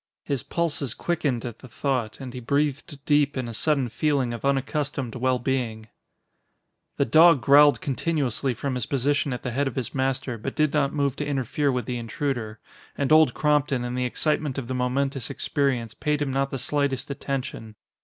His pulses quickened at the thought and he breathed deep in a sudden feeling of unaccustomed well being. The dog growled continuously from his position at the head of his master, but did not move to interfere with the intruder. And Old Crompton, in the excitement of the momentous experience, paid him not the slightest attention.